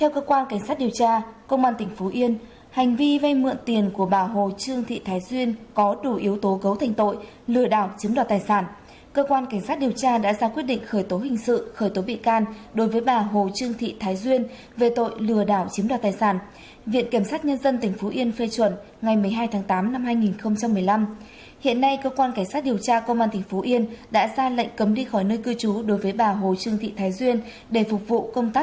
cơ quan cảnh sát điều tra công an tỉnh phú yên cho biết đã có quyết định khởi tố hình sự khởi tố bị can đối với bà hồ trương thị thái duyên đối tượng có liên quan đến vụ lừa đảo chiếm đoạt hơn năm sáu tỷ đồng xảy ra tại phường phú đông thành phố phú yên